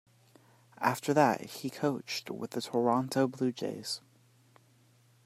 After that he coached with the Toronto blue jays.